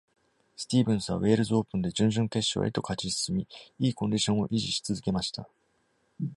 スティーブンスはウェールズオープンで準々決勝へと勝ち進み、いいコンディションを維持し続けました。